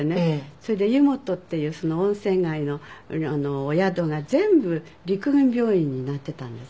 それで湯本っていう温泉街のお宿が全部陸軍病院になっていたんです。